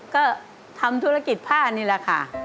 ก็ทำธุรกิจผ้านี่แหละค่ะ